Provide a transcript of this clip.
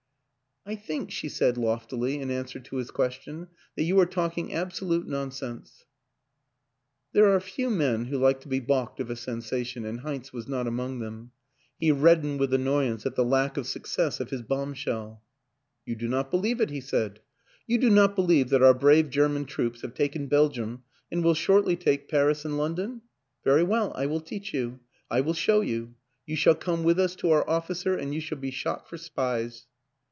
" I think," she said loftily, in answer to his question, " that you are talking absolute non sense." There are few men who like to be balked of a sensation and Heinz was not among them. He reddened with annoyance at the lack of success of his bombshell. ' You do not believe it," he said. " You do not believe that our brave German troops have taken Belgium and will shortly take Paris and London? Very well, I will teach you. I will show you. You shall come with us to our officer and you shall be shot for spies."